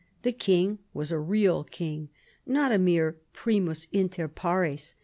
The king was a real king, not a mere primus inter pares.